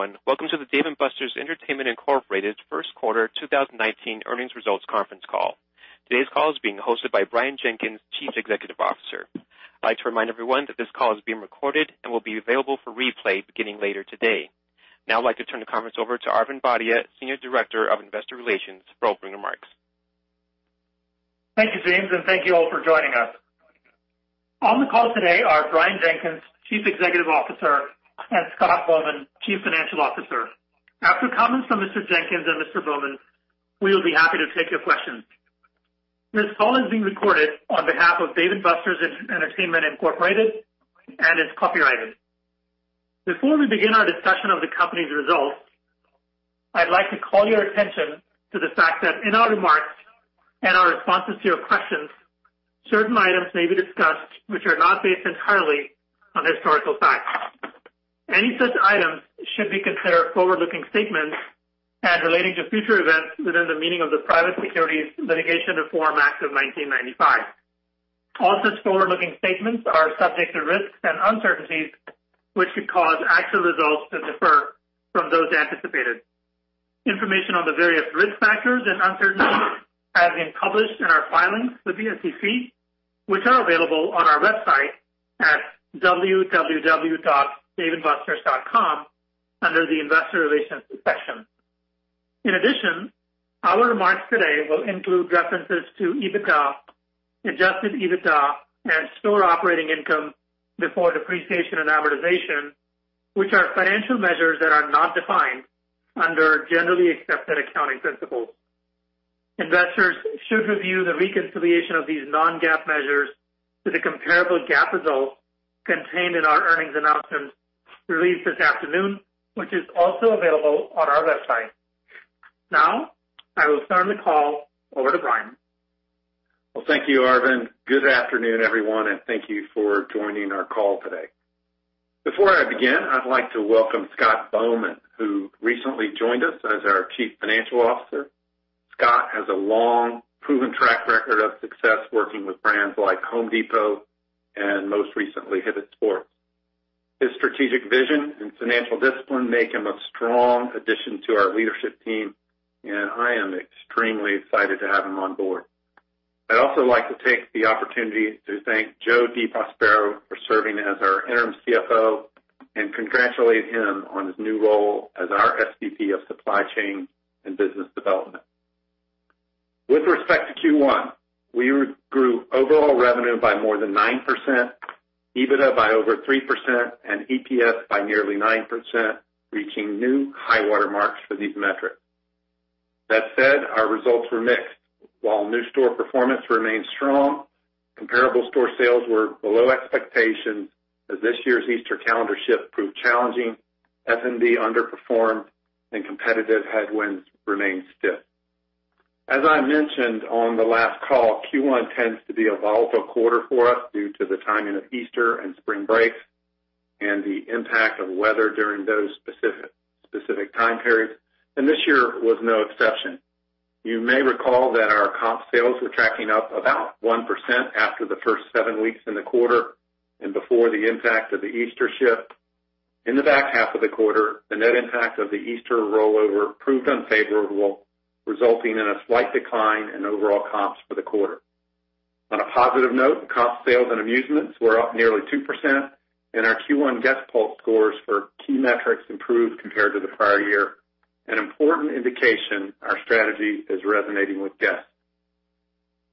Everyone. Welcome to the Dave & Buster's Entertainment, Inc. First Quarter 2019 Earnings Results Conference Call. Today's call is being hosted by Brian Jenkins, Chief Executive Officer. I'd like to remind everyone that this call is being recorded and will be available for replay beginning later today. Now I'd like to turn the conference over to Arvind Bhatia, Senior Director of Investor Relations, for opening remarks. Thank you, James, and thank you all for joining us. On the call today are Brian Jenkins, Chief Executive Officer, and Scott Bowman, Chief Financial Officer. After comments from Mr. Jenkins and Mr. Bowman, we will be happy to take your questions. This call is being recorded on behalf of Dave & Buster's Entertainment, Inc. and is copyrighted. Before we begin our discussion of the company's results, I'd like to call your attention to the fact that in our remarks and our responses to your questions, certain items may be discussed which are not based entirely on historical facts. Any such items should be considered forward-looking statements as relating to future events within the meaning of the Private Securities Litigation Reform Act of 1995. All such forward-looking statements are subject to risks and uncertainties, which could cause actual results to differ from those anticipated. Information on the various risk factors and uncertainties has been published in our filings with the SEC, which are available on our website at www.daveandbusters.com, under the investor relations section. In addition, our remarks today will include references to EBITDA, adjusted EBITDA, and store operating income before depreciation and amortization, which are financial measures that are not defined under generally accepted accounting principles. Investors should review the reconciliation of these non-GAAP measures to the comparable GAAP results contained in our earnings announcement released this afternoon, which is also available on our website. Now, I will turn the call over to Brian. Well, thank you, Arvind. Good afternoon, everyone, and thank you for joining our call today. Before I begin, I'd like to welcome Scott Bowman, who recently joined us as our Chief Financial Officer. Scott has a long, proven track record of success working with brands like Home Depot and most recently, Hibbett Sports. His strategic vision and financial discipline make him a strong addition to our leadership team, and I am extremely excited to have him on board. I'd also like to take the opportunity to thank Joe DeProspero for serving as our interim CFO and congratulate him on his new role as our SVP of Supply Chain and Business Development. With respect to Q1, we grew overall revenue by more than 9%, EBITDA by over 3%, and EPS by nearly 9%, reaching new high-water marks for these metrics. That said, our results were mixed. While new store performance remained strong, comparable store sales were below expectations as this year's Easter calendar shift proved challenging, F&B underperformed, and competitive headwinds remained stiff. As I mentioned on the last call, Q1 tends to be a volatile quarter for us due to the timing of Easter and spring break, and the impact of weather during those specific time periods, this year was no exception. You may recall that our comp sales were tracking up about 1% after the first seven weeks in the quarter and before the impact of the Easter shift. In the back half of the quarter, the net impact of the Easter rollover proved unfavorable, resulting in a slight decline in overall comps for the quarter. On a positive note, the comp sales and amusements were up nearly 2%, and our Q1 guest pulse scores for key metrics improved compared to the prior year, an important indication our strategy is resonating with guests.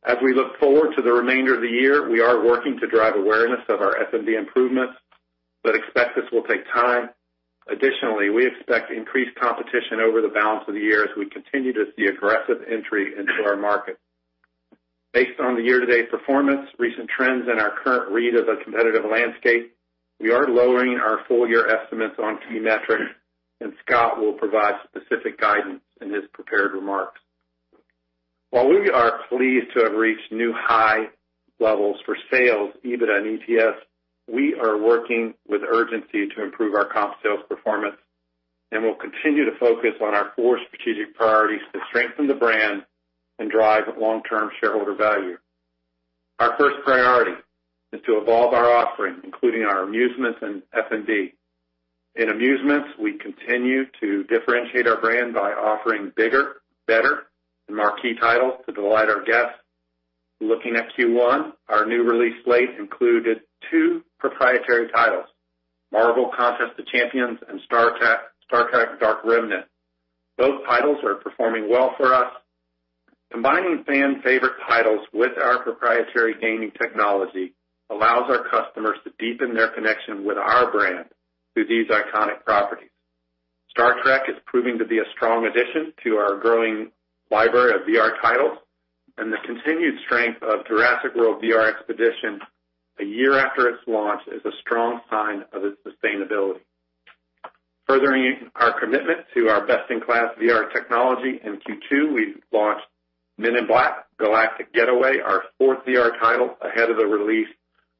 As we look forward to the remainder of the year, we are working to drive awareness of our F&B improvements but expect this will take time. Additionally, we expect increased competition over the balance of the year as we continue to see aggressive entry into our market. Based on the year-to-date performance, recent trends, and our current read of the competitive landscape, we are lowering our full-year estimates on key metrics, and Scott will provide specific guidance in his prepared remarks. While we are pleased to have reached new high levels for sales, EBITDA, and EPS, we are working with urgency to improve our comp sales performance and will continue to focus on our four strategic priorities to strengthen the brand and drive long-term shareholder value. Our first priority is to evolve our offering, including our amusements and F&B. In amusements, we continue to differentiate our brand by offering bigger, better, and marquee titles to delight our guests. Looking at Q1, our new release slate included two proprietary titles, Marvel Contest of Champions and Star Trek: Dark Remnant. Both titles are performing well for us. Combining fan-favorite titles with our proprietary gaming technology allows our customers to deepen their connection with our brand through these iconic properties. Star Trek is proving to be a strong addition to our growing library of VR titles, and the continued strength of Jurassic World VR Expedition a year after its launch is a strong sign of its sustainability. Furthering our commitment to our best-in-class VR technology, in Q2, we launched Men in Black: Galactic Getaway, our fourth VR title, ahead of the release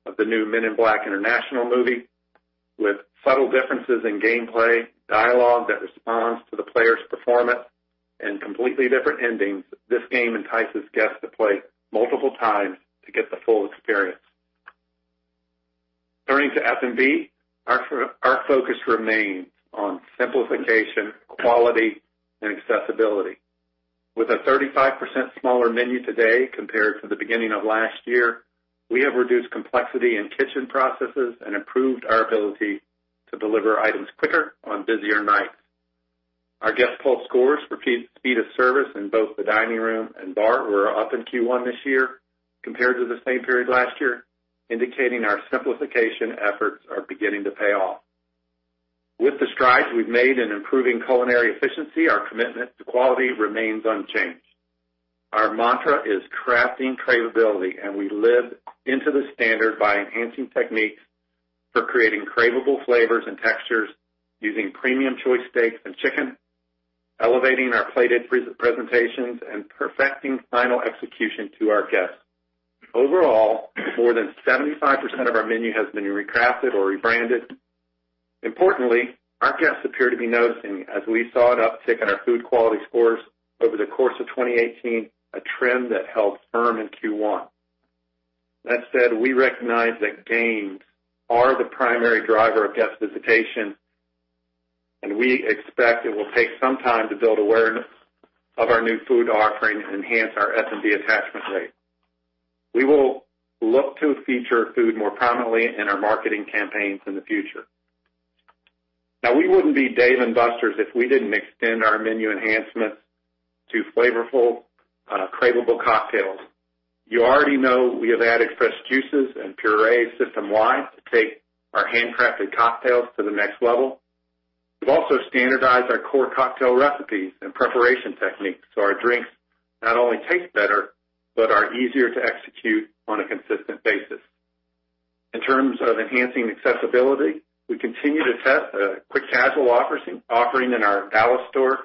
of the new Men in Black: International movie. With subtle differences in gameplay, dialogue that responds to the player's performance, and completely different endings, this game entices guests to play multiple times to get the full experience. Turning to F&B, our focus remains on simplification, quality, and accessibility. With a 35% smaller menu today compared to the beginning of last year, we have reduced complexity in kitchen processes and improved our ability to deliver items quicker on busier nights. Our guest pulse scores for speed of service in both the dining room and bar were up in Q1 this year compared to the same period last year, indicating our simplification efforts are beginning to pay off. With the strides we've made in improving culinary efficiency, our commitment to quality remains unchanged. Our mantra is crafting craveability, and we live into the standard by enhancing techniques for creating craveable flavors and textures using premium choice steaks and chicken, elevating our plated presentations, and perfecting final execution to our guests. Overall, more than 75% of our menu has been recrafted or rebranded. Importantly, our guests appear to be noticing as we saw an uptick in our food quality scores over the course of 2018, a trend that held firm in Q1. We recognize that games are the primary driver of guest visitation, and we expect it will take some time to build awareness of our new food offerings and enhance our F&B attachment rate. We will look to feature food more prominently in our marketing campaigns in the future. We wouldn't be Dave & Buster's if we didn't extend our menu enhancements to flavorful, craveable cocktails. You already know we have added fresh juices and puree system-wide to take our handcrafted cocktails to the next level. We've also standardized our core cocktail recipes and preparation techniques, so our drinks not only taste better but are easier to execute on a consistent basis. In terms of enhancing accessibility, we continue to test a quick casual offering in our Dallas store.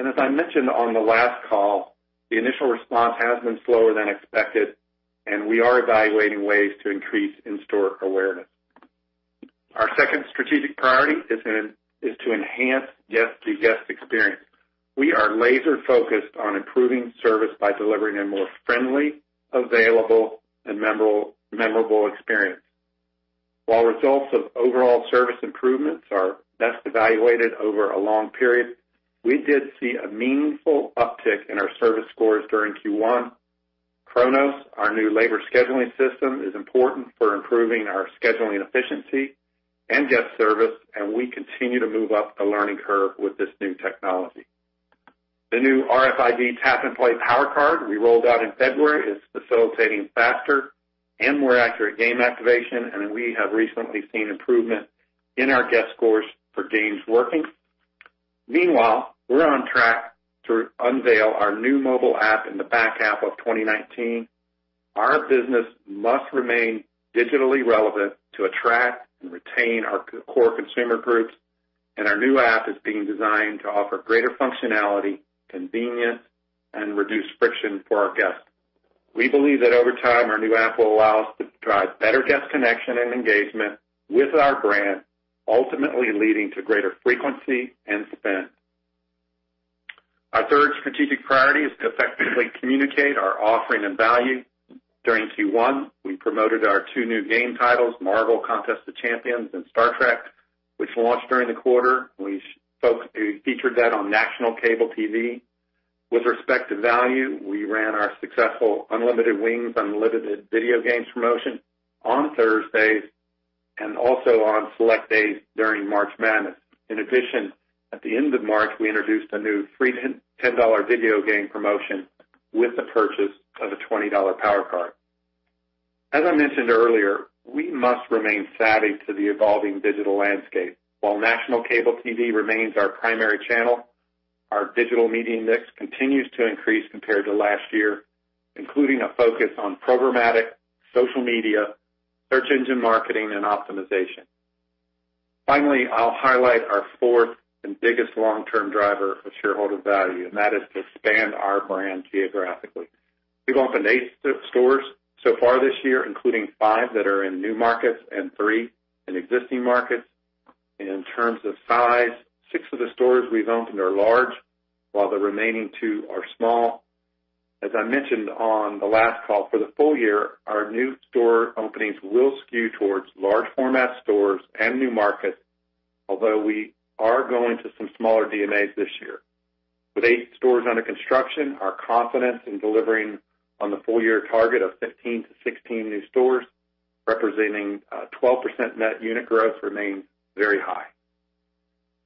As I mentioned on the last call, the initial response has been slower than expected, and we are evaluating ways to increase in-store awareness. Our second strategic priority is to enhance guest-to-guest experience. We are laser-focused on improving service by delivering a more friendly, available, and memorable experience. While results of overall service improvements are best evaluated over a long period, we did see a meaningful uptick in our service scores during Q1. Kronos, our new labor scheduling system, is important for improving our scheduling efficiency and guest service, and we continue to move up the learning curve with this new technology. The new RFID tap-and-play Power Card we rolled out in February is facilitating faster and more accurate game activation, and we have recently seen improvement in our guest scores for games working. We're on track to unveil our new mobile app in the back half of 2019. Our business must remain digitally relevant to attract and retain our core consumer groups, and our new app is being designed to offer greater functionality, convenience, and reduce friction for our guests. We believe that over time, our new app will allow us to drive better guest connection and engagement with our brand, ultimately leading to greater frequency and spend. Our third strategic priority is to effectively communicate our offering and value. During Q1, we promoted our two new game titles, Marvel Contest of Champions and Star Trek, which launched during the quarter. We featured that on national cable TV. With respect to value, we ran our successful unlimited wings, unlimited video games promotion on Thursdays and also on select days during March Madness. In addition, at the end of March, we introduced a new free $10 video game promotion with the purchase of a $20 Power Card. As I mentioned earlier, we must remain savvy to the evolving digital landscape. While national cable TV remains our primary channel, our digital media mix continues to increase compared to last year, including a focus on programmatic, social media, search engine marketing, and optimization. Finally, I'll highlight our fourth and biggest long-term driver of shareholder value, and that is to expand our brand geographically. We've opened eight stores so far this year, including five that are in new markets and three in existing markets. In terms of size, six of the stores we've opened are large, while the remaining two are small. As I mentioned on the last call, for the full year, our new store openings will skew towards large format stores and new markets. Although we are going to some smaller DMAs this year. With eight stores under construction, our confidence in delivering on the full-year target of 15 to 16 new stores, representing 12% net unit growth remains very high.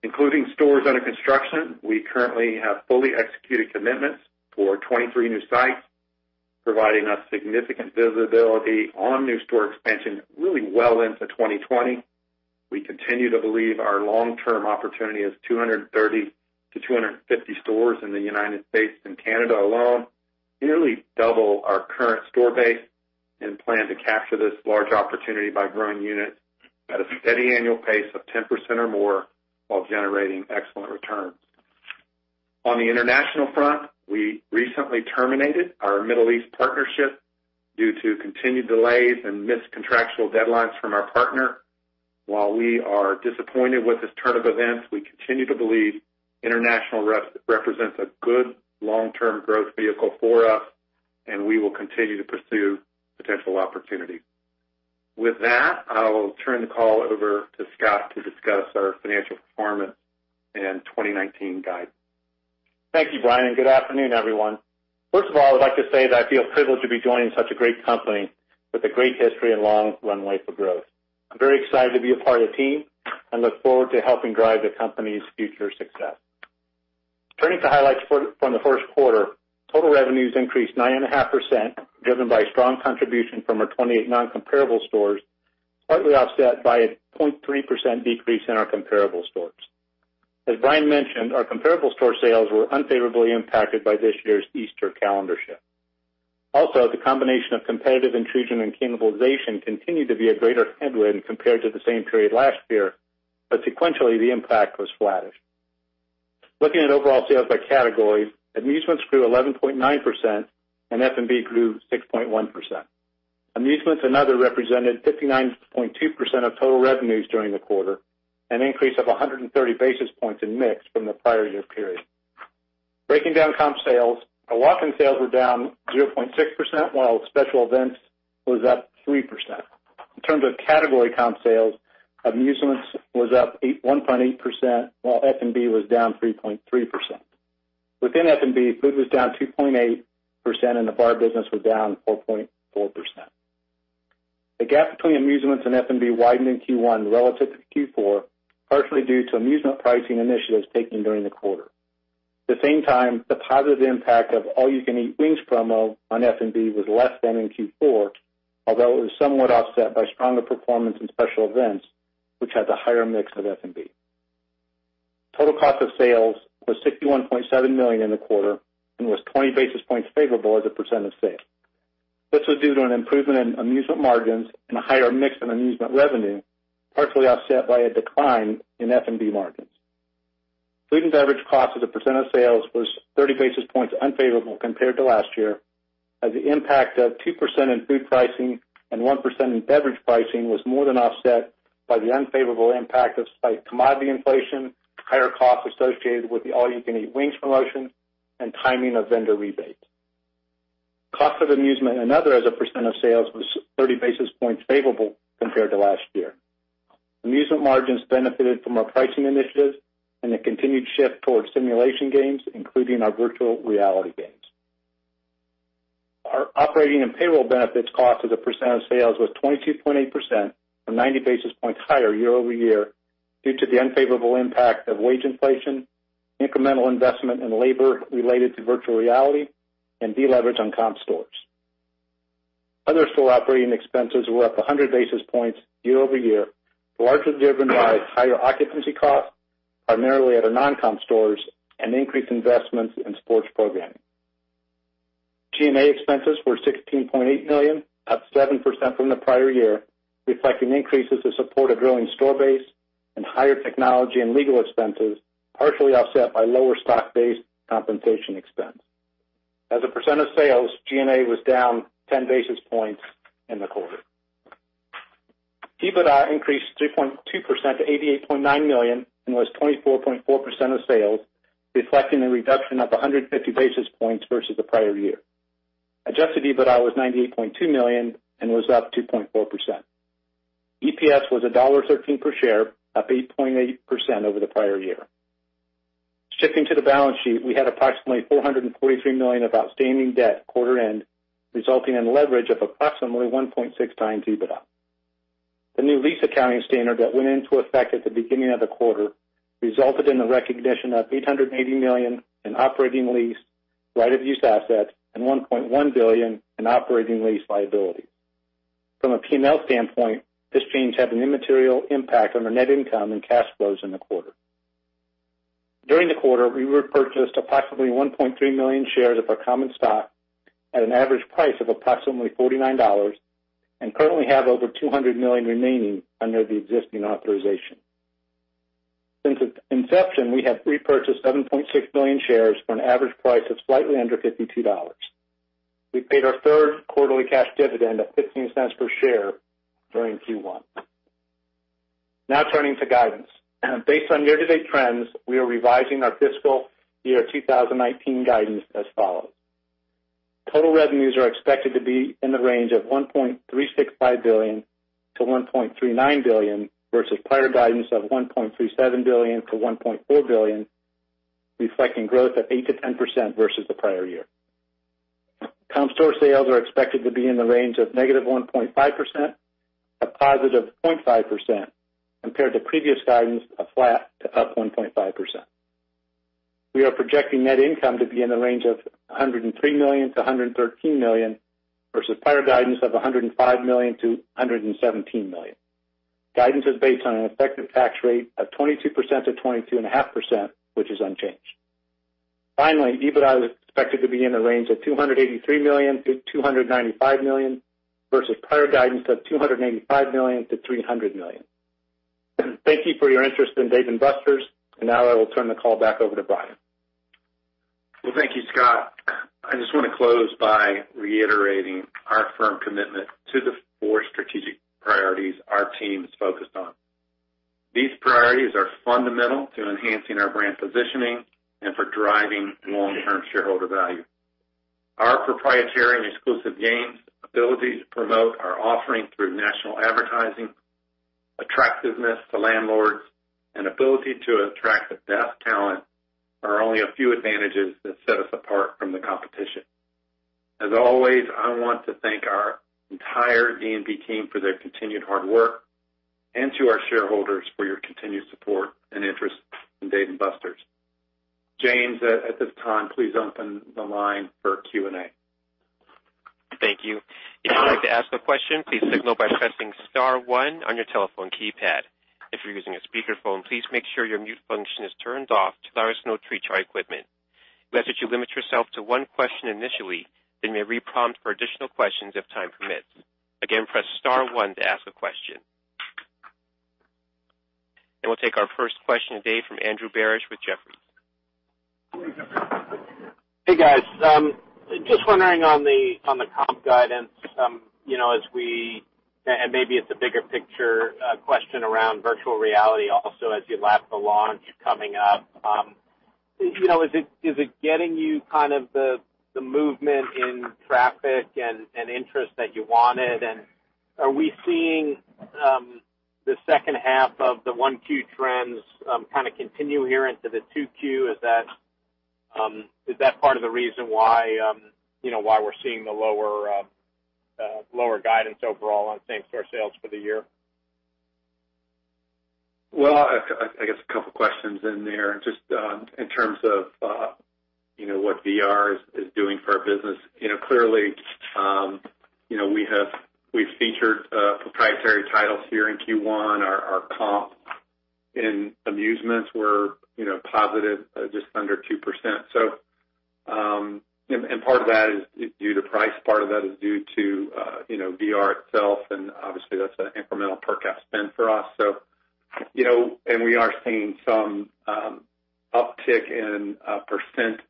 Including stores under construction, we currently have fully executed commitments for 23 new sites, providing us significant visibility on new store expansion really well into 2020. We continue to believe our long-term opportunity is 230 to 250 stores in the United States and Canada alone, nearly double our current store base, and plan to capture this large opportunity by growing units at a steady annual pace of 10% or more while generating excellent returns. On the international front, we recently terminated our Middle East partnership due to continued delays and missed contractual deadlines from our partner. While we are disappointed with this turn of events, we continue to believe international represents a good long-term growth vehicle for us, and we will continue to pursue potential opportunities. With that, I will turn the call over to Scott to discuss our financial performance and 2019 guide. Thank you, Brian. Good afternoon, everyone. First of all, I'd like to say that I feel privileged to be joining such a great company with a great history and long runway for growth. I'm very excited to be a part of the team and look forward to helping drive the company's future success. Turning to highlights from the first quarter, total revenues increased 9.5%, driven by strong contribution from our 28 non-comparable stores, partly offset by a 0.3% decrease in our comparable stores. As Brian mentioned, our comparable store sales were unfavorably impacted by this year's Easter calendar shift. Also, the combination of competitive intrusion and cannibalization continued to be a greater headwind compared to the same period last year, but sequentially, the impact was flattish. Looking at overall sales by category, amusements grew 11.9% and F&B grew 6.1%. Amusements and other represented 59.2% of total revenues during the quarter, an increase of 130 basis points in mix from the prior year period. Breaking down comp sales, our walk-in sales were down 0.6%, while special events was up 3%. In terms of category comp sales, amusements was up 1.8%, while F&B was down 3.3%. Within F&B, food was down 2.8% and the bar business was down 4.4%. The gap between amusements and F&B widened in Q1 relative to Q4, partially due to amusement pricing initiatives taken during the quarter. At the same time, the positive impact of all-you-can-eat wings promo on F&B was less than in Q4, although it was somewhat offset by stronger performance in special events, which has a higher mix of F&B. Total cost of sales was $61.7 million in the quarter and was 20 basis points favorable as a percent of sales. This was due to an improvement in amusement margins and a higher mix of amusement revenue, partially offset by a decline in F&B margins. Food and beverage cost as a percent of sales was 30 basis points unfavorable compared to last year, as the impact of 2% in food pricing and 1% in beverage pricing was more than offset by the unfavorable impact of slight commodity inflation, higher costs associated with the all-you-can-eat wings promotion, and timing of vendor rebates. Cost of amusement and other as a percent of sales was 30 basis points favorable compared to last year. Amusement margins benefited from our pricing initiatives and a continued shift towards simulation games, including our virtual reality games. Our operating and payroll benefits cost as a percent of sales was 22.8%, or 90 basis points higher year-over-year due to the unfavorable impact of wage inflation, incremental investment in labor related to virtual reality, and de-leverage on comp stores. Other store operating expenses were up 100 basis points year-over-year, largely driven by higher occupancy costs, primarily at our non-comp stores, and increased investments in sports programming. G&A expenses were $16.8 million, up 7% from the prior year, reflecting increases to support a growing store base and higher technology and legal expenses, partially offset by lower stock-based compensation expense. As a percent of sales, G&A was down 10 basis points in the quarter. EBITDA increased 3.2% to $88.9 million and was 24.4% of sales, reflecting a reduction of 150 basis points versus the prior year. Adjusted EBITDA was $98.2 million and was up 2.4%. EPS was $1.13 per share, up 8.8% over the prior year. Shifting to the balance sheet, we had approximately $443 million of outstanding debt quarter end, resulting in leverage of approximately 1.6 times EBITDA. The new lease accounting standard that went into effect at the beginning of the quarter resulted in the recognition of $880 million in operating lease right-of-use assets and $1.1 billion in operating lease liability. From a P&L standpoint, this change had an immaterial impact on our net income and cash flows in the quarter. During the quarter, we repurchased approximately 1.3 million shares of our common stock at an average price of approximately $49 and currently have over $200 million remaining under the existing authorization. Since its inception, we have repurchased 7.6 million shares for an average price of slightly under $52. We paid our third quarterly cash dividend of $0.15 per share during Q1. Turning to guidance. Based on year-to-date trends, we are revising our fiscal year 2019 guidance as follows. Total revenues are expected to be in the range of $1.365 billion-$1.39 billion versus prior guidance of $1.37 billion-$1.4 billion, reflecting growth of 8%-10% versus the prior year. Comp store sales are expected to be in the range of negative 1.5% to positive 0.5%, compared to previous guidance of flat to up 1.5%. We are projecting net income to be in the range of $103 million-$113 million versus prior guidance of $105 million-$117 million. Guidance is based on an effective tax rate of 22%-22.5%, which is unchanged. Finally, EBITDA is expected to be in the range of $283 million-$295 million versus prior guidance of $285 million-$300 million. Thank you for your interest in Dave & Buster's. Now I will turn the call back over to Brian. Well, thank you, Scott. I just want to close by reiterating our firm commitment to the four strategic priorities our team is focused on. These priorities are fundamental to enhancing our brand positioning and for driving long-term shareholder value. Our proprietary and exclusive games ability to promote our offering through national advertising, attractiveness to landlords, and ability to attract the best talent are only a few advantages that set us apart from the competition. As always, I want to thank our entire D&B team for their continued hard work and to our shareholders for your continued support and interest in Dave & Buster's. James, at this time, please open the line for Q&A. Thank you. If you would like to ask a question, please signal by pressing star one on your telephone keypad. If you're using a speakerphone, please make sure your mute function is turned off to the extent our snow tree chart equipment. We ask that you limit yourself to one question initially, then may re-prompt for additional questions if time permits. Again, press star one to ask a question. We'll take our first question today from Andrew Barish with Jefferies. Hey, guys. Just wondering on the comp guidance, and maybe it's a bigger picture question around virtual reality also as you lap the launch coming up. Is it getting you kind of the movement in traffic and interest that you wanted? Are we seeing the second half of the 1Q trends kind of continue here into the 2Q? Is that part of the reason why we're seeing the lower guidance overall on same-store sales for the year? Well, I guess a couple of questions in there. Just in terms of what VR is doing for our business. Clearly, we've featured proprietary titles here in Q1. Our comp in amusements were positive just under 2%. Part of that is due to price, part of that is due to VR itself, and obviously, that's an incremental per guest spend for us. We are seeing some uptick in the percent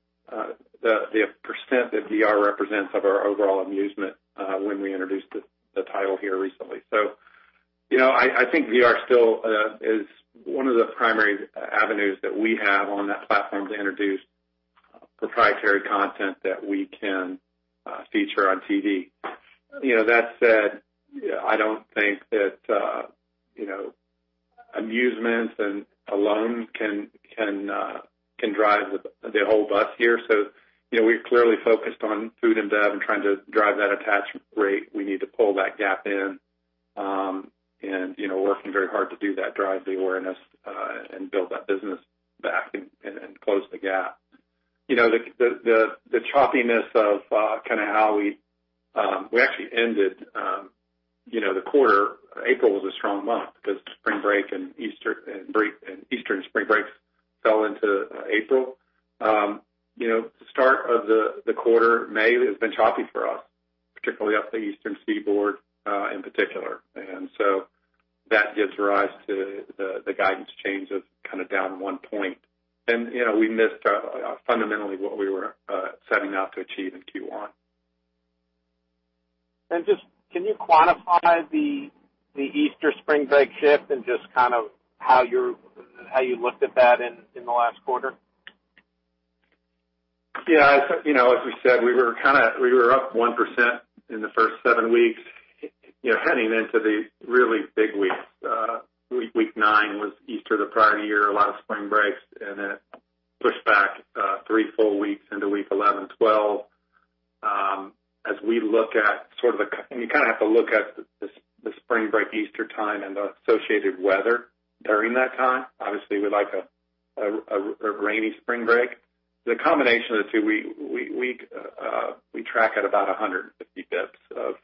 that VR represents of our overall amusement when we introduced the title here recently. I think VR still is one of the primary avenues that we have on that platform to introduce proprietary content that we can feature on TV. That said, I don't think that amusements alone can drive the whole bus here. We've clearly focused on food and bev and trying to drive that attachment rate. We need to pull that gap in. Working very hard to do that, drive the awareness, and build that business back and close the gap. The choppiness of kind of how we actually ended the quarter, April was a strong month because Spring Break and Eastern Spring Breaks fell into April. Start of the quarter, May has been choppy for us, particularly up the Eastern Seaboard in particular. That gives rise to the guidance changes kind of down one point. We missed fundamentally what we were setting out to achieve in Q1. Just can you quantify the Easter Spring Break shift and just kind of how you looked at that in the last quarter? Yeah. As we said, we were up 1% in the first seven weeks, heading into the really big weeks. Week nine was Easter the prior year, a lot of Spring Breaks, and then pushed back three full weeks into week 11, 12. You kind of have to look at the Spring Break Easter time and the associated weather during that time. Obviously, we like a rainy Spring Break. The combination of the two, we track at about 150 basis points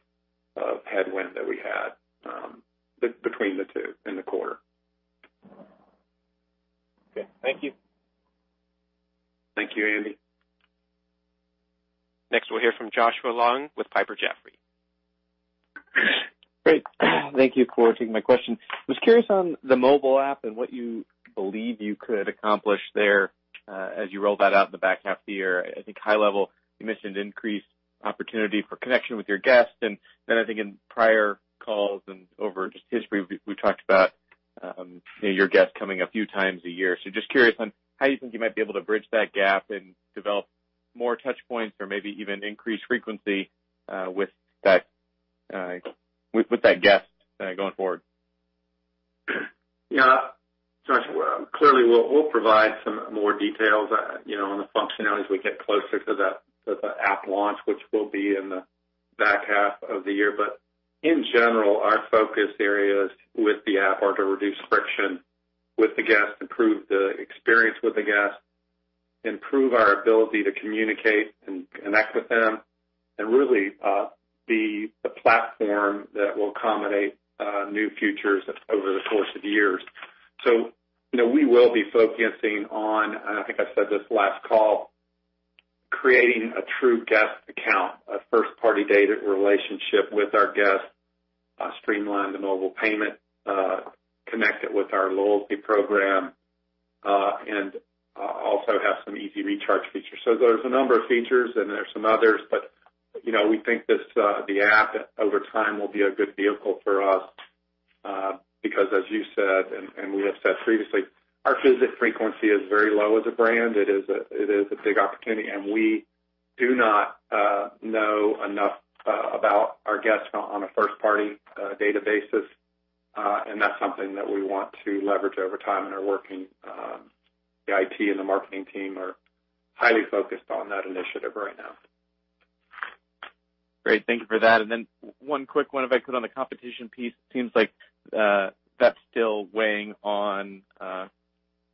of headwind that we had between the two in the quarter. Okay. Thank you. Thank you, Andy. Next, we'll hear from Joshua Long with Piper Sandler. Great. Thank you for taking my question. Was curious on the mobile app and what you believe you could accomplish there as you roll that out in the back half of the year. I think high level, you mentioned increased opportunity for connection with your guests. I think in prior calls and over just history, we talked about your guests coming a few times a year. Just curious on how you think you might be able to bridge that gap and develop more touchpoints or maybe even increase frequency with that guest going forward. Yeah. Joshua, clearly, we'll provide some more details on the functionalities as we get closer to the app launch, which will be in the back half of the year. In general, our focus areas with the app are to reduce friction with the guest, improve the experience with the guest, improve our ability to communicate and connect with them, and really be the platform that will accommodate new futures over the course of years. We will be focusing on, and I think I said this last call, creating a true guest account, a first-party data relationship with our guests. Streamline the mobile payment, connect it with our loyalty program, and also have some easy recharge features. There's a number of features, and there's some others, but we think the app over time will be a good vehicle for us because as you said, and we have said previously, our visit frequency is very low as a brand. It is a big opportunity, and we do not know enough about our guests on a first-party data basis. That's something that we want to leverage over time and are working. The IT and the marketing team are highly focused on that initiative right now. Great. Thank you for that. One quick one if I could on the competition piece. Seems like that's still weighing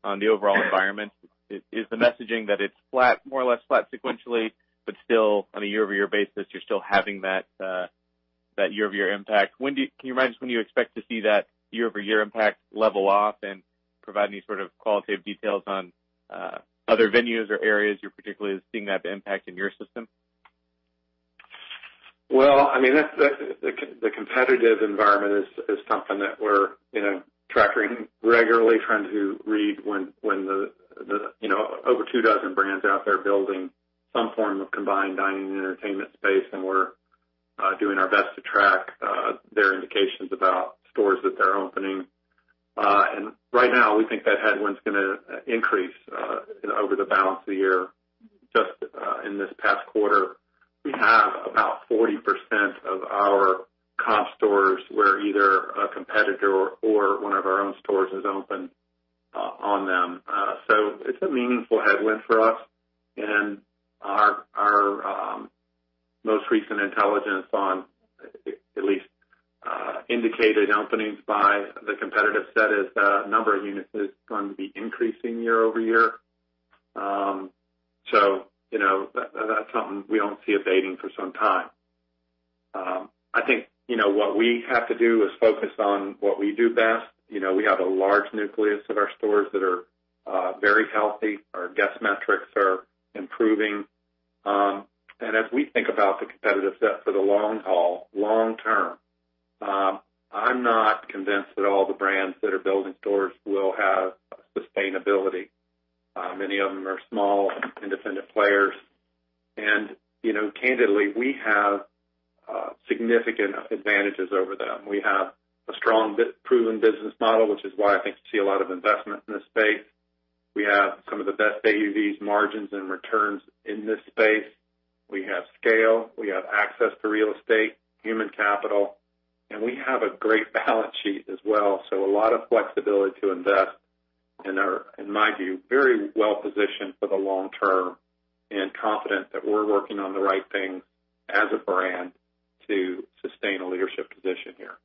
on the overall environment. Is the messaging that it's more or less flat sequentially, but still on a year-over-year basis, you're still having that year-over-year impact. Can you remind us when you expect to see that year-over-year impact level off and provide any sort of qualitative details on other venues or areas you're particularly seeing that impact in your system? The competitive environment is something that we're tracking regularly, trying to read when the over 2 dozen brands out there building some form of combined dining and entertainment space, and we're doing our best to track their indications about stores that they're opening. Right now, we think that headwind's going to increase over the balance of the year. Just in this past quarter, we have about 40% of our comp stores where either a competitor or one of our own stores is open on them. It's a meaningful headwind for us and our most recent intelligence on at least indicated openings by the competitive set is the number of units is going to be increasing year-over-year. That's something we don't see abating for some time. I think what we have to do is focus on what we do best. We have a large nucleus of our stores that are very healthy. Our guest metrics are improving. As we think about the competitive set for the long haul, long-term, I'm not convinced that all the brands that are building stores will have sustainability. Many of them are small, independent players, and candidly, we have significant advantages over them. We have a strong, proven business model, which is why I think you see a lot of investment in this space. We have some of the best AUVs, margins, and returns in this space. We have scale, we have access to real estate, human capital, and we have a great balance sheet as well. A lot of flexibility to invest and are, in my view, very well-positioned for the long-term and confident that we're working on the right things as a brand to sustain a leadership position here.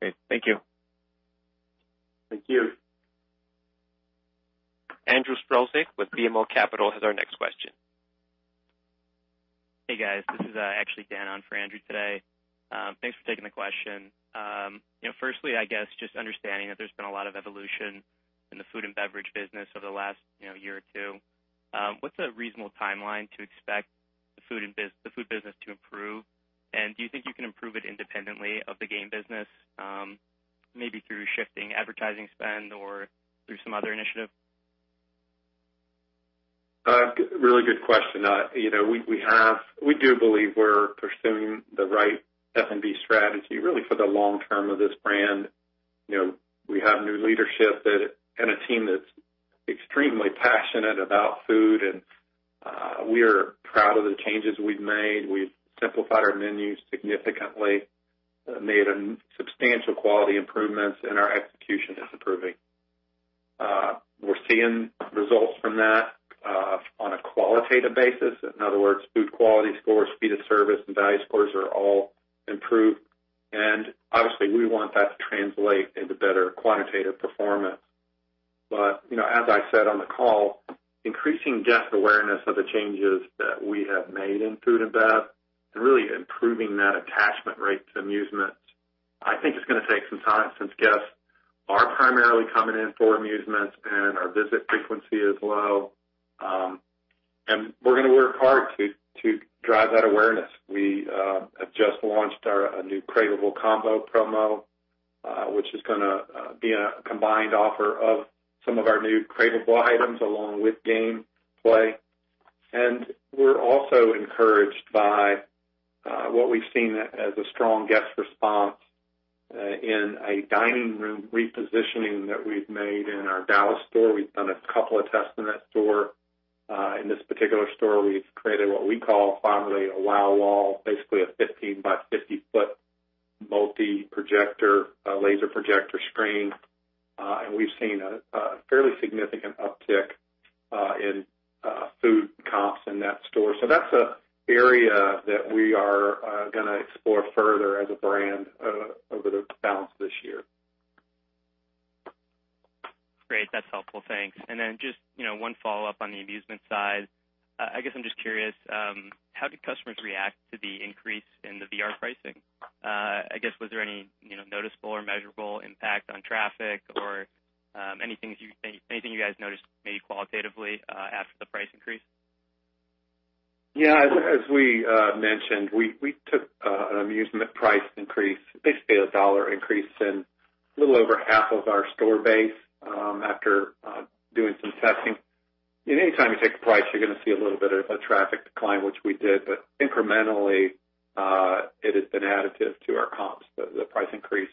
Great. Thank you. Thank you. Andrew Strelzik with BMO Capital Markets has our next question. Hey, guys, this is actually Dan on for Andrew today. Thanks for taking the question. Firstly, I guess just understanding that there's been a lot of evolution in the food and beverage business over the last year or two. What's a reasonable timeline to expect the food business to improve? Do you think you can improve it independently of the game business, maybe through shifting advertising spend or through some other initiative? A really good question. We do believe we're pursuing the right F&B strategy, really for the long term of this brand. We have new leadership and a team that's extremely passionate about food, and we're proud of the changes we've made. We've simplified our menus significantly, made substantial quality improvements, and our execution is improving. We're seeing results from that on a qualitative basis. In other words, food quality scores, speed of service, and value scores are all improved. Obviously we want that to translate into better quantitative performance. As I said on the call, increasing guest awareness of the changes that we have made in food and bev and really improving that attachment rate to amusements, I think it's going to take some time since guests are primarily coming in for amusements and our visit frequency is low. We're going to work hard to drive that awareness. We have just launched a new Craveable Combos promo, which is going to be a combined offer of some of our new craveable items along with game play. We're also encouraged by what we've seen as a strong guest response in a dining room repositioning that we've made in our Dallas store. We've done a couple of tests in that store. In this particular store, we've created what we call fondly a Wow Wall, basically a 15 by 50 foot multi-projector laser projector screen. We've seen a fairly significant uptick in food comps in that store. That's an area that we are going to explore further as a brand over the balance of this year. Great. That's helpful. Thanks. Then just one follow-up on the amusement side. I guess I'm just curious, how did customers react to the increase in the VR pricing? I guess, was there any noticeable or measurable impact on traffic or anything you guys noticed, maybe qualitatively, after the price increase? Yeah. As we mentioned, we took an amusement price increase, basically a $1 increase in a little over half of our store base, after doing some testing. Any time you take a price, you're going to see a little bit of a traffic decline, which we did, but incrementally, it has been additive to our comps, the price increase.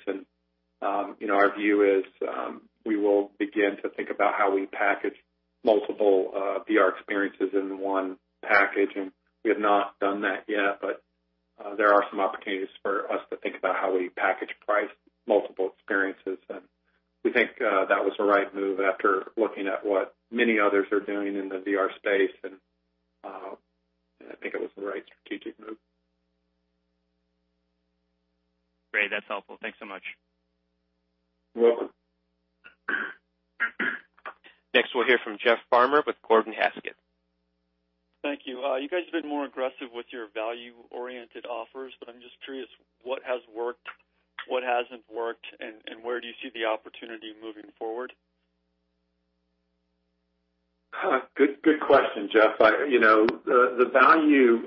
Our view is, we will begin to think about how we package multiple VR experiences in one package, we have not done that yet. There are some opportunities for us to think about how we package price multiple experiences. We think that was the right move after looking at what many others are doing in the VR space. I think it was the right strategic move. Great. That's helpful. Thanks so much. You're welcome. Next, we'll hear from Jeff Farmer with Gordon Haskett. Thank you. You guys have been more aggressive with your value-oriented offers, I'm just curious what has worked, what hasn't worked, and where do you see the opportunity moving forward? Good question, Jeff. The value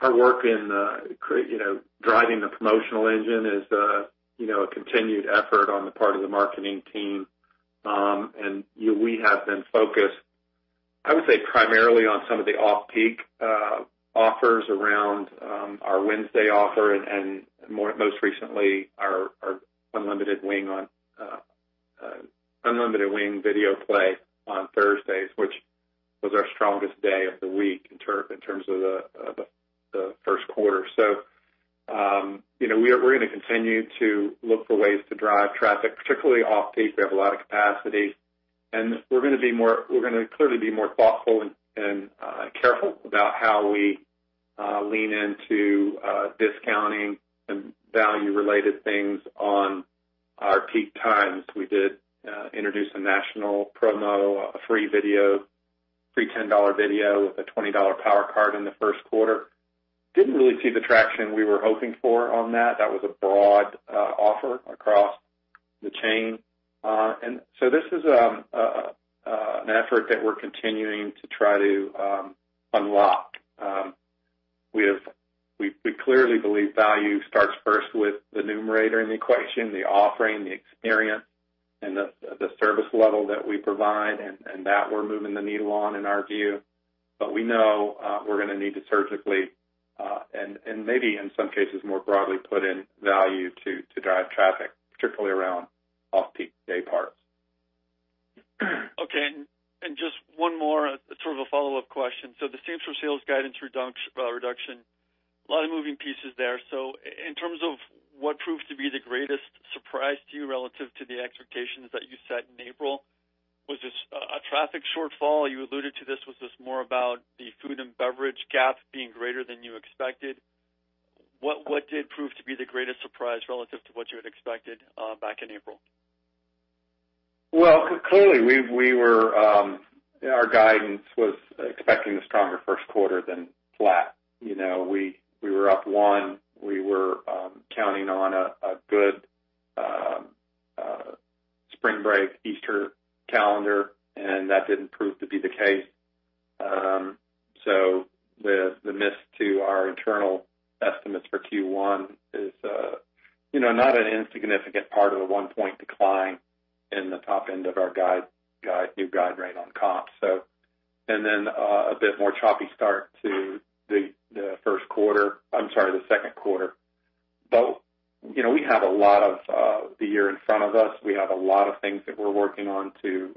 hard work in driving the promotional engine is a continued effort on the part of the marketing team. We have been focused, I would say, primarily on some of the off-peak offers around our Wednesday offer and most recently, our unlimited wing video play on Thursdays, which was our strongest day of the week in terms of the first quarter. We're going to continue to look for ways to drive traffic, particularly off-peak. We have a lot of capacity. We're going to clearly be more thoughtful and careful about how we lean into discounting and value-related things on our peak times. We did introduce a national promo, a free $10 video with a $20 Power Card in the first quarter. Didn't really see the traction we were hoping for on that. That was a broad offer across the chain. This is an effort that we're continuing to try to unlock. We clearly believe value starts first with the numerator in the equation, the offering, the experience, and the service level that we provide, and that we're moving the needle on in our view. We know we're going to need to surgically, and maybe in some cases, more broadly put in value to drive traffic, particularly around off-peak day parts. Okay. Just one more sort of a follow-up question. The same-store sales guidance reduction, a lot of moving pieces there. In terms of what proved to be the greatest surprise to you relative to the expectations that you set in April, was this a traffic shortfall? You alluded to this. Was this more about the food and beverage gap being greater than you expected? What did prove to be the greatest surprise relative to what you had expected back in April? Clearly our guidance was expecting a stronger first quarter than flat. We were up one. We were counting on a good spring break, Easter calendar, that didn't prove to be the case. The miss to our internal estimates for Q1 is not an insignificant part of the one point decline in the top end of our new guide rate on comps. A bit more choppy start to the first quarter, I'm sorry, the second quarter. We have a lot of the year in front of us. We have a lot of things that we're working on to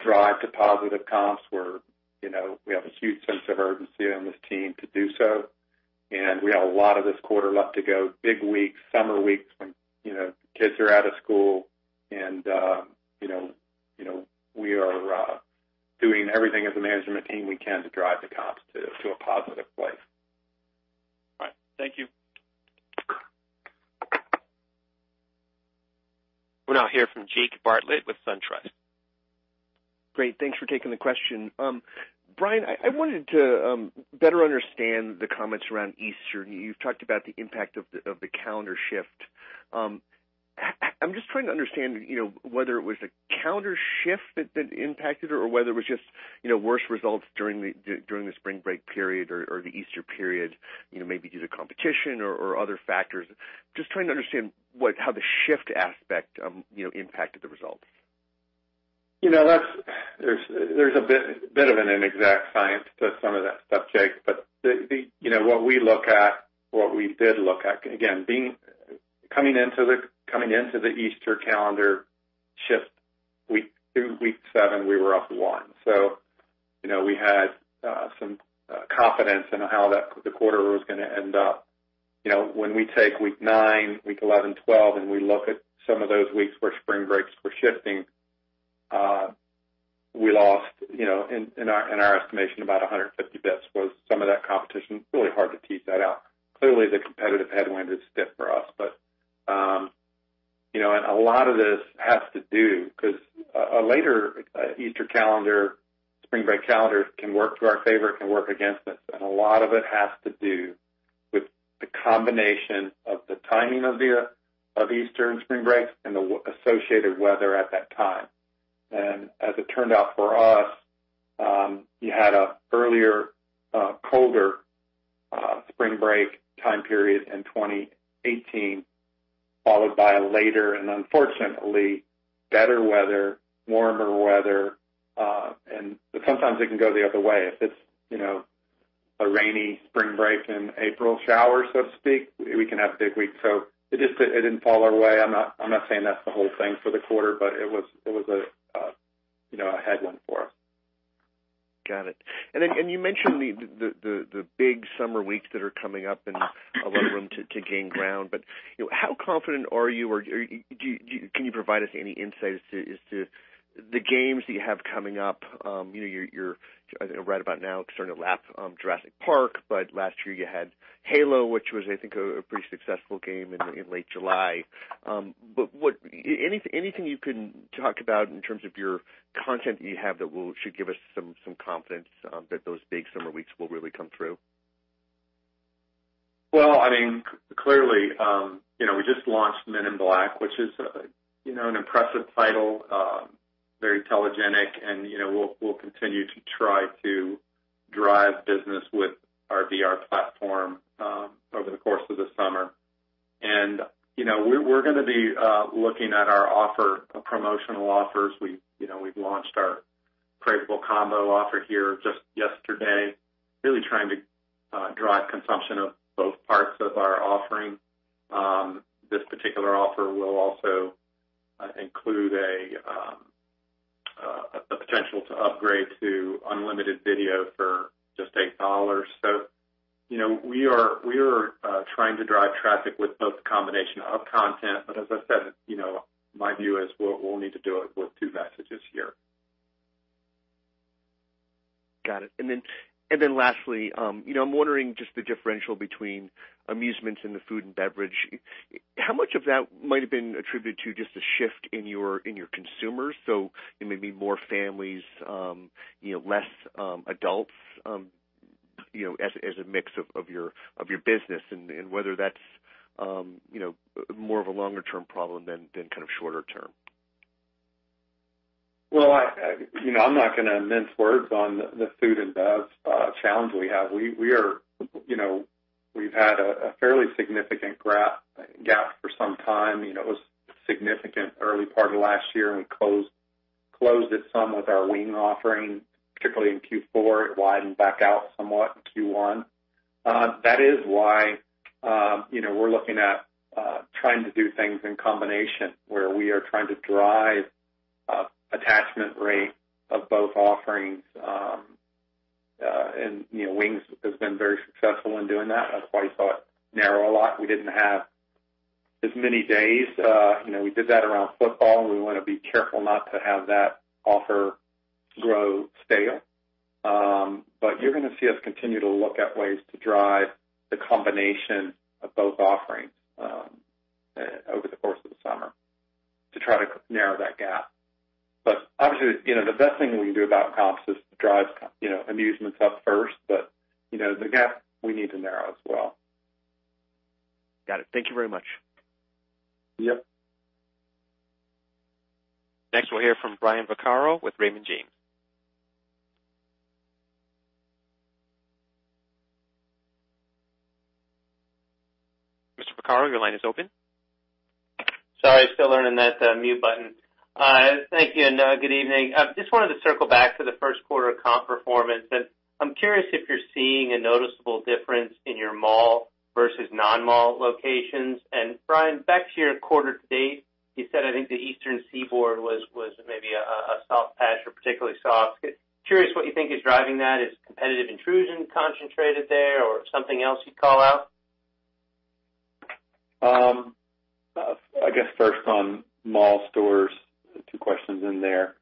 drive to positive comps, we have a huge sense of urgency on this team to do so. We have a lot of this quarter left to go. Big weeks, summer weeks when kids are out of school and we are doing everything as a management team we can to drive the comps to a positive place. All right. Thank you. We'll now hear from Jake Bartlett with SunTrust. Great. Thanks for taking the question. Brian, I wanted to better understand the comments around Easter. You've talked about the impact of the calendar shift. I'm just trying to understand whether it was a calendar shift that impacted or whether it was just worse results during the spring break period or the Easter period, maybe due to competition or other factors. Just trying to understand how the shift aspect impacted the results. There's a bit of an inexact science to some of that stuff, Jake, but what we did look at, again, coming into the Easter calendar shift, through week seven, we were up one. We had some confidence in how the quarter was going to end up. When we take week nine, week 11, 12, and we look at some of those weeks where spring breaks were shifting, we lost in our estimation, about 150 basis points was some of that competition. Really hard to tease that out. Clearly, the competitive headwind is stiff for us, but a lot of this has to do, because a later Easter calendar, spring break calendar can work to our favor, it can work against us. A lot of it has to do with the combination of the timing of Easter and spring break and the associated weather at that time. As it turned out for us, you had an earlier, colder spring break time period in 2018, followed by a later, and unfortunately, better weather, warmer weather. Sometimes it can go the other way. If it's a rainy spring break and April shower, so to speak, we can have big weeks. It didn't fall our way. I'm not saying that's the whole thing for the quarter, but it was a headwind for us. Got it. You mentioned the big summer weeks that are coming up and a lot of room to gain ground. How confident are you or can you provide us any insight as to the games that you have coming up? You're, right about now, starting to lap Jurassic Park, but last year you had Halo, which was, I think, a pretty successful game in late July. Anything you can talk about in terms of your content that you have that should give us some confidence that those big summer weeks will really come through? Well, clearly, we just launched Men in Black, which is an impressive title, very telegenic, and we'll continue to try to drive business with our VR platform over the course of the summer. We're going to be looking at our promotional offers. We've launched our Craveable Combo offer here just yesterday. Really trying to drive consumption of both parts of our offering. This particular offer will also include a potential to upgrade to unlimited video for just $8. We are trying to drive traffic with both the combination of content, but as I said, my view is we'll need to do it with two messages here. Got it. Lastly, I'm wondering just the differential between amusements and the food and beverage. How much of that might have been attributed to just a shift in your consumers? Maybe more families, less adults as a mix of your business and whether that's more of a longer-term problem than kind of shorter term. Well, I'm not going to mince words on the food and bev challenge we have. We've had a fairly significant gap for some time. It was significant early part of last year, and we closed it some with our wing offering, particularly in Q4. It widened back out somewhat in Q1. That is why we're looking at trying to do things in combination, where we are trying to drive attachment rate of both offerings. Wings has been very successful in doing that. That's why you saw it narrow a lot. We didn't have as many days. We did that around football, and we want to be careful not to have that offer grow stale. You're going to see us continue to look at ways to drive the combination of both offerings over the course of the summer to try to narrow that gap. Obviously, the best thing we can do about comps is to drive amusements up first. The gap we need to narrow as well. Got it. Thank you very much. Yep. Next, we'll hear from Brian Vaccaro with Raymond James. Mr. Vaccaro, your line is open. Sorry, still learning that mute button. Thank you, and good evening. Just wanted to circle back to the first quarter comp performance. I'm curious if you're seeing a noticeable difference in your mall versus non-mall locations. Brian, back to your quarter to date, you said I think the Eastern Seaboard was maybe a soft patch or particularly soft. Curious what you think is driving that. Is competitive intrusion concentrated there or something else you'd call out? I guess first on mall stores, two questions in there.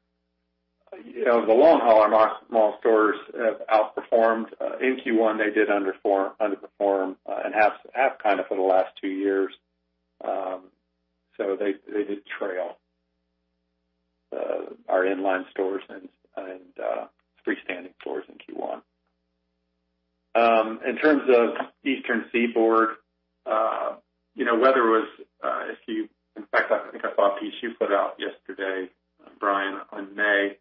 Over the long haul, our mall stores have outperformed. In Q1, they did underperform and have kind of for the last 2 years. They did trail our in-line stores and freestanding stores in Q1. In terms of Eastern Seaboard, weather was, in fact, I think I saw a piece you put out yesterday, Brian Vaccaro, on May.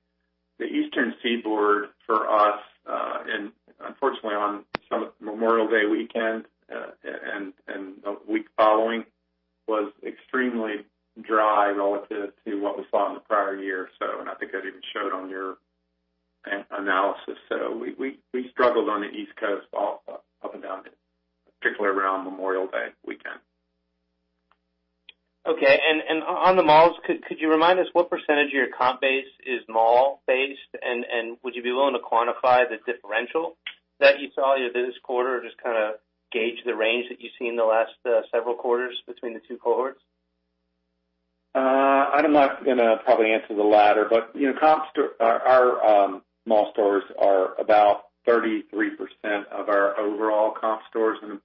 The Eastern Seaboard for us, and unfortunately on some of Memorial Day weekend and the week following, was extremely dry relative to what we saw in the prior year or so. I think that even showed on your analysis. We struggled on the East Coast also up and down, particularly around Memorial Day weekend. On the malls, could you remind us what % of your comp base is mall-based, and would you be willing to quantify the differential that you saw year to this quarter or just kind of gauge the range that you've seen in the last several quarters between the two cohorts? I'm not going to probably answer the latter. Our mall stores are about 33% of our overall comp stores and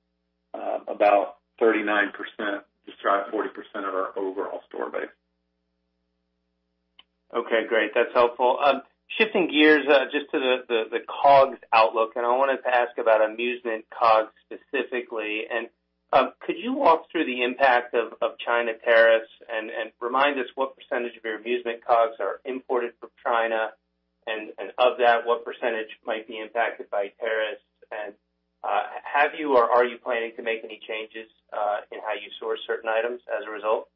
about 39%-40% of our overall store base. Okay, great. That's helpful. Shifting gears just to the COGS outlook. I wanted to ask about amusement COGS specifically. Could you walk through the impact of China tariffs and remind us what % of your amusement COGS are imported from China? Of that, what % might be impacted by tariffs? Have you or are you planning to make any changes in how you source certain items as a result?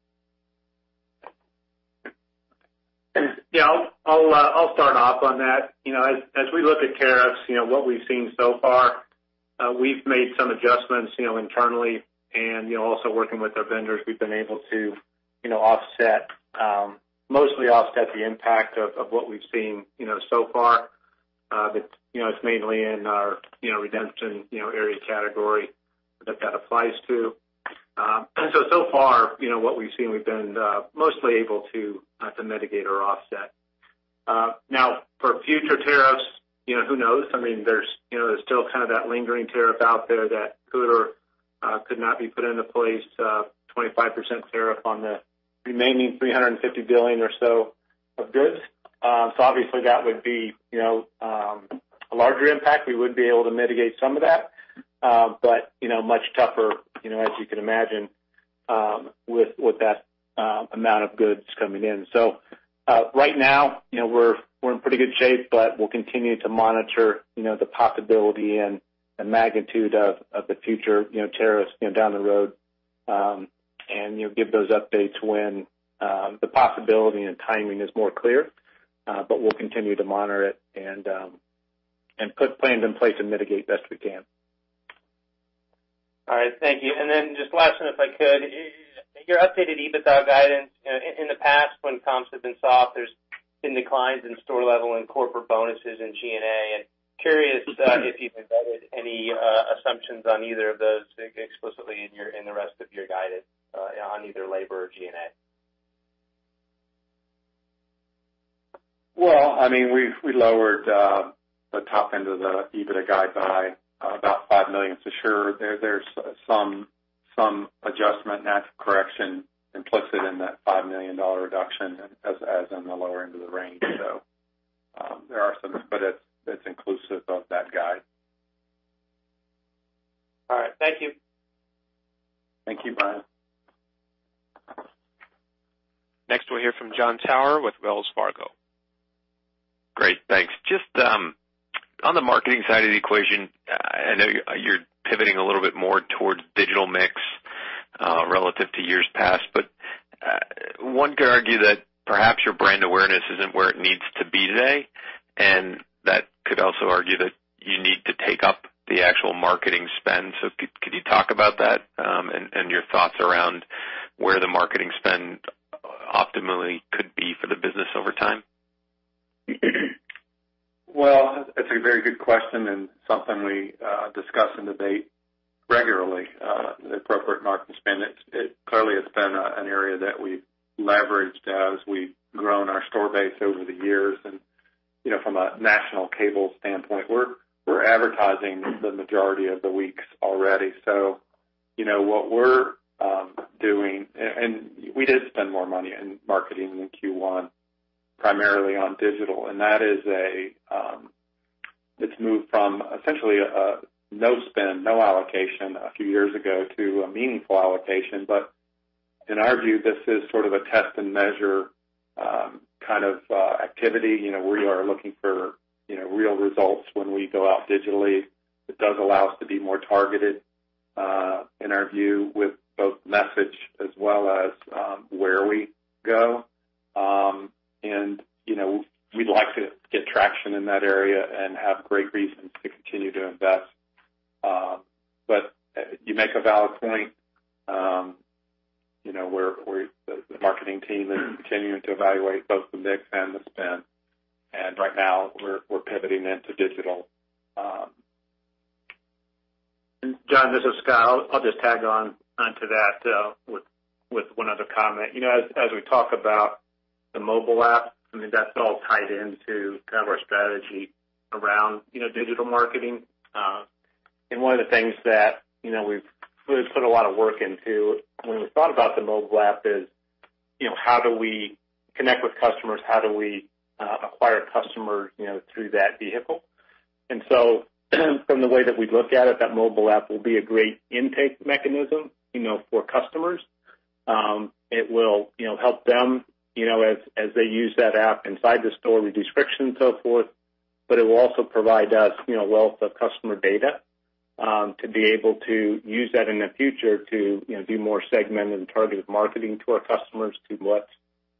Yeah, I'll start off on that. As we look at tariffs, what we've seen so far, we've made some adjustments internally and also working with our vendors, we've been able to mostly offset the impact of what we've seen so far. It's mainly in our redemption area category that that applies to. So far, what we've seen, we've been mostly able to mitigate or offset. Now, for future tariffs, who knows? There's still that lingering tariff out there that could or could not be put into place, a 25% tariff on the remaining 350 billion or so of goods. Obviously, that would be a larger impact. We would be able to mitigate some of that. Much tougher, as you can imagine, with that amount of goods coming in. Right now, we're in pretty good shape. We'll continue to monitor the possibility and the magnitude of the future tariffs down the road, and give those updates when the possibility and timing is more clear. We'll continue to monitor it and put plans in place and mitigate best we can. All right. Thank you. Just last one, if I could. Your updated EBITDA guidance. In the past, when comps have been soft, there's been declines in store level and corporate bonuses and G&A. Curious if you've embedded any assumptions on either of those explicitly in the rest of your guidance on either labor or G&A. We lowered the top end of the EBITDA guide by about $5 million. Sure, there's some adjustment and correction implicit in that $5 million reduction as in the lower end of the range. There are some, but it's inclusive of that guide. All right. Thank you. Thank you, Brian. Next, we'll hear from Jon Tower with Wells Fargo. Great. Thanks. Just on the marketing side of the equation, I know you're pivoting a little bit more towards digital mix relative to years past, one could argue that perhaps your brand awareness isn't where it needs to be today, and that could also argue that you need to take up the actual marketing spend. Could you talk about that and your thoughts around where the marketing spend optimally could be for the business over time? That's a very good question and something we discuss and debate regularly, the appropriate marketing spend. It clearly has been an area that we've leveraged as we've grown our store base over the years. From a national cable standpoint, we're advertising the majority of the weeks already. What we're doing, and we did spend more money in marketing in Q1, primarily on digital, and that it's moved from essentially no spend, no allocation a few years ago to a meaningful allocation. In our view, this is sort of a test and measure kind of activity. We are looking for real results when we go out digitally. It does allow us to be more targeted, in our view, with both message as well as where we go. We'd like to get traction in that area and have great reasons to continue to invest. You make a valid point. The marketing team is continuing to evaluate both the mix and the spend. Right now we're pivoting into digital. Jon, this is Scott. I'll just tag onto that with one other comment. As we talk about the mobile app, that's all tied into our strategy around digital marketing. One of the things that we've put a lot of work into when we thought about the mobile app is how do we connect with customers? How do we acquire customers through that vehicle? From the way that we look at it, that mobile app will be a great intake mechanism for customers. It will help them as they use that app inside the store with descriptions, so forth, but it will also provide us a wealth of customer data to be able to use that in the future to do more segmented and targeted marketing to our customers to what's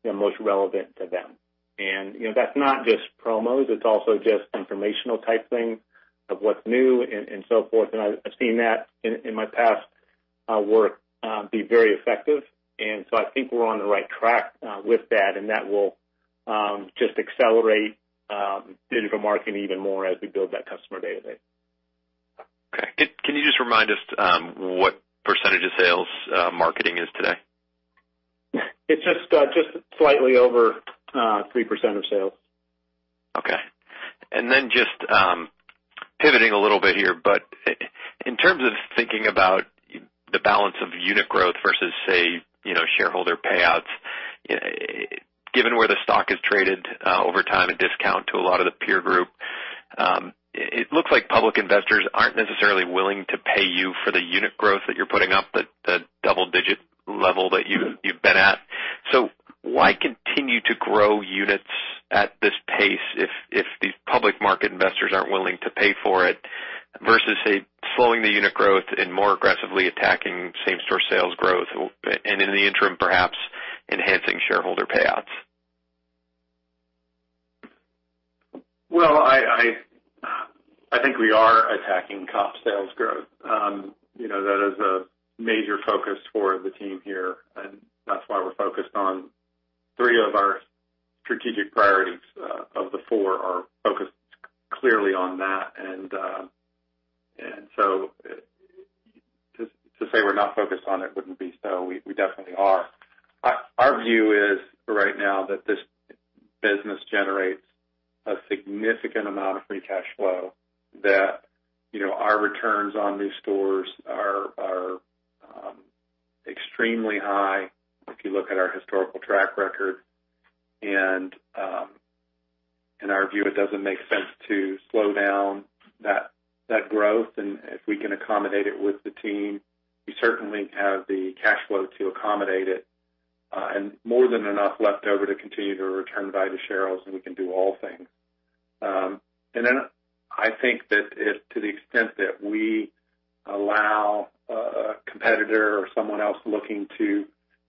most relevant to them. That's not just promos, it's also just informational type things of what's new and so forth. I've seen that in my past work be very effective. I think we're on the right track with that, and that will just accelerate digital marketing even more as we build that customer database. Can you just remind us what percentage of sales marketing is today? It's just slightly over 3% of sales. Okay. Just pivoting a little bit here, but in terms of thinking about the balance of unit growth versus, say, shareholder payouts, given where the stock has traded over time at discount to a lot of the peer group, it looks like public investors aren't necessarily willing to pay you for the unit growth that you're putting up, the double-digit level that you've been at. Why continue to grow units at this pace if these public market investors aren't willing to pay for it, versus, say, slowing the unit growth and more aggressively attacking same-store sales growth and in the interim, perhaps enhancing shareholder payouts? Well, I think we are attacking comp sales growth. That is a major focus for the team here, and that's why we're focused on three of our strategic priorities of the four are focused clearly on that. To say we're not focused on it wouldn't be so. We definitely are. Our view is, right now, that this business generates a significant amount of free cash flow that our returns on new stores are extremely high, if you look at our historical track record. In our view, it doesn't make sense to slow down that growth. If we can accommodate it with the team, we certainly have the cash flow to accommodate it. More than enough left over to continue to return value to shareholders, we can do all things. I think that to the extent that we allow a competitor or someone else looking to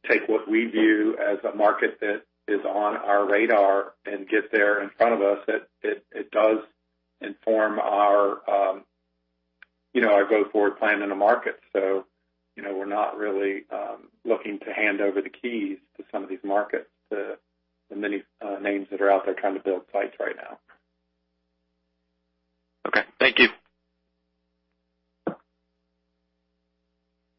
take what we view as a market that is on our radar and get there in front of us, it does inform our go-forward plan in a market. We're not really looking to hand over the keys to some of these markets, to the many names that are out there trying to build pipes right now. Okay. Thank you.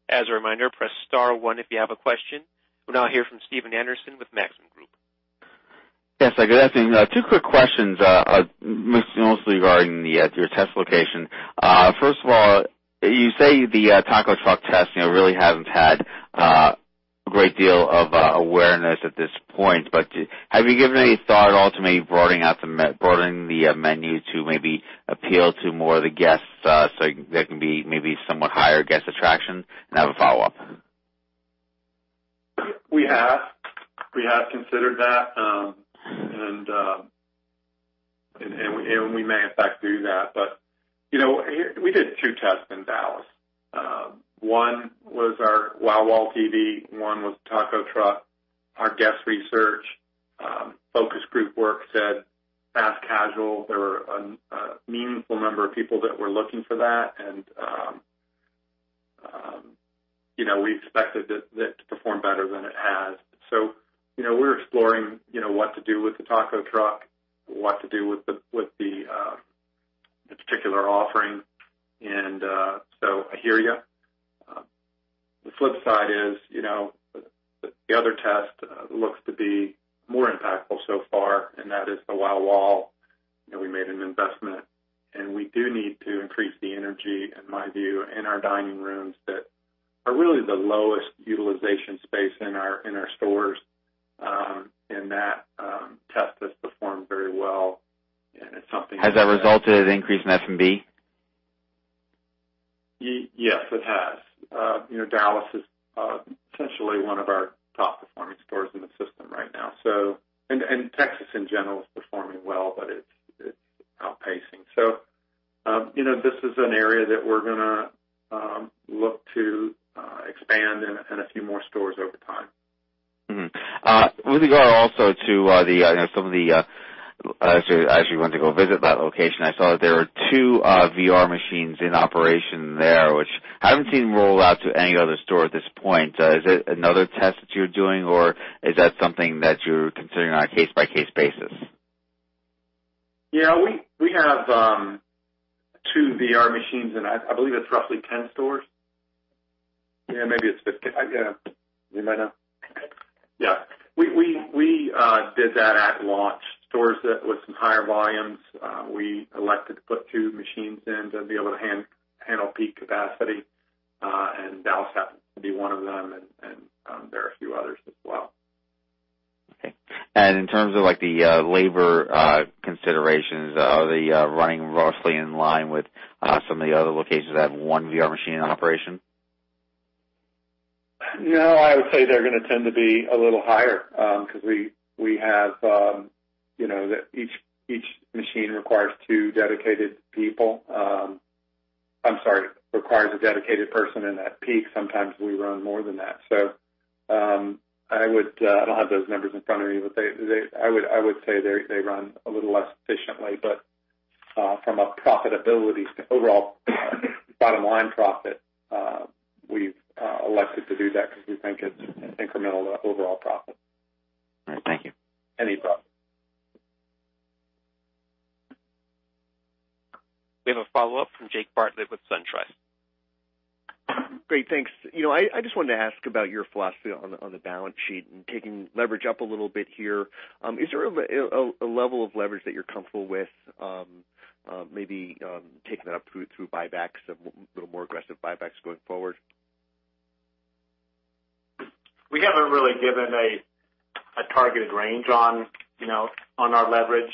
As a reminder, press star one if you have a question. We'll now hear from Stephen Anderson with Maxim Group. Yes. Good afternoon. Two quick questions, mostly regarding your test location. First of all, you say the Taco Truck test really hasn't had a great deal of awareness at this point. Have you given any thought at all to maybe broadening the menu to maybe appeal to more of the guests, so there can be maybe somewhat higher guest attraction? I have a follow-up. We have. We have considered that. We may, in fact, do that. We did two tests in Dallas. One was our Wow Wall TV, one was Taco Truck. Our guest research focus group work said fast casual. There were a meaningful number of people that were looking for that, and we expected it to perform better than it has. We're exploring what to do with the Taco Truck and what to do with the particular offering. I hear you. The flip side is the other test looks to be more impactful so far, and that is the Wow Wall. We made an investment, and we do need to increase the energy, in my view, in our dining rooms that are really the lowest utilization space in our stores. That test has performed very well. And it's something- Has that resulted in an increase in F&B? Yes, it has. Dallas is essentially one of our top-performing stores in the system right now. Texas, in general, is performing well, but it's outpacing. This is an area that we're going to look to expand in a few more stores over time. I actually went to go visit that location. I saw that there are two VR machines in operation there, which I haven't seen roll out to any other store at this point. Is it another test that you're doing, or is that something that you're considering on a case-by-case basis? Yeah. We have two VR machines in, I believe it's roughly 10 stores. Yeah, maybe it's 15. Yeah. You might know. Yeah. We did that at launch. Stores with some higher volumes, we elected to put two machines in to be able to handle peak capacity. Dallas happened to be one of them, and there are a few others as well. Okay. In terms of the labor considerations, are they running roughly in line with some of the other locations that have one VR machine in operation? No, I would say they're going to tend to be a little higher because each machine requires two dedicated people. I'm sorry, requires a dedicated person, and at peak, sometimes we run more than that. I don't have those numbers in front of me, but I would say they run a little less efficiently. From a profitability overall bottom-line profit, we've elected to do that because we think it's incremental to overall profit. All right. Thank you. Any problem. We have a follow-up from Jake Bartlett with SunTrust. Great. Thanks. I just wanted to ask about your philosophy on the balance sheet and taking leverage up a little bit here. Is there a level of leverage that you're comfortable with, maybe taking that up through buybacks, a little more aggressive buybacks going forward? We haven't really given a targeted range on our leverage.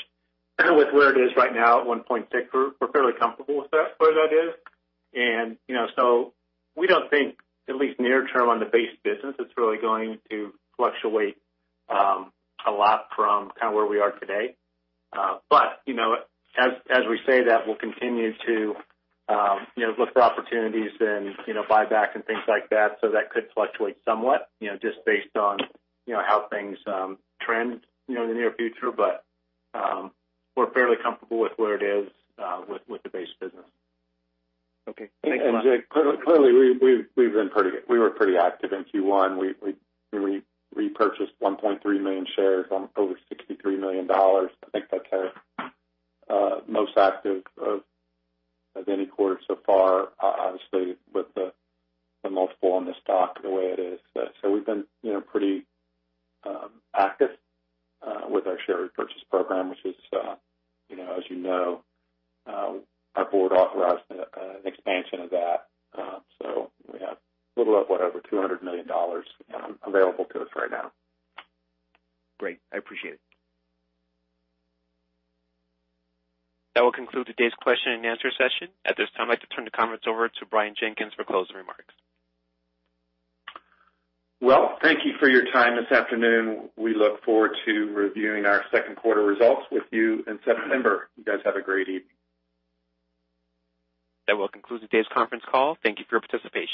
With where it is right now at 1.6, we're fairly comfortable with where that is. We don't think, at least near term, on the base business, it's really going to fluctuate a lot from where we are today. As we say that we'll continue to look for opportunities and buyback and things like that could fluctuate somewhat, just based on how things trend in the near future. We're fairly comfortable with where it is with the base business. Okay. Thanks a lot. Jake, clearly, we were pretty active in Q1. We repurchased 1.3 million shares on over $63 million. I think that's our most active of any quarter so far, honestly, with the multiple on the stock the way it is. We've been pretty active with our share repurchase program, which is, as you know, our board authorized an expansion of that. We have a little of whatever, $200 million available to us right now. Great. I appreciate it. That will conclude today's question and answer session. At this time, I'd like to turn the comments over to Brian Jenkins for closing remarks. Well, thank you for your time this afternoon. We look forward to reviewing our second quarter results with you in September. You guys have a great evening. That will conclude today's conference call. Thank you for your participation.